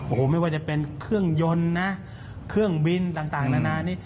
โอ้โหไม่ว่าจะเป็นเครื่องยนต์นะเครื่องบินต่างนานานี้